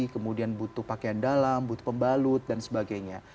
kemudian butuh pakaian dalam butuh pembalut dan sebagainya